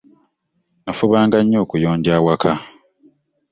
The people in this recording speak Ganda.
Nnafubanga nnyo okuyonja awaka.